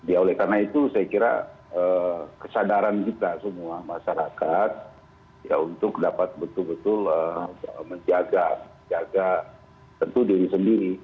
ya oleh karena itu saya kira kesadaran kita semua masyarakat ya untuk dapat betul betul menjaga menjaga tentu diri sendiri